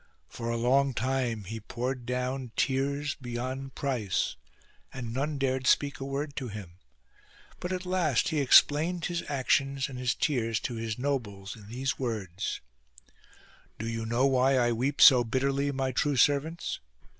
For a long time he poured down tears beyond price, and none dared speak a word to him ; but at last he explained his actions and his tears to his nobles in these words :—" Do you know why I weep so bitterly, my true servants